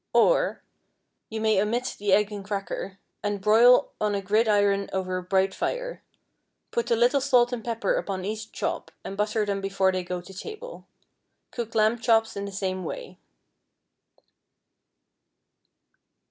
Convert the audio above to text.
Or, You may omit the egg and cracker, and broil on a gridiron over a bright fire. Put a little salt and pepper upon each chop, and butter them before they go to table. Cook lamb chops in the same way.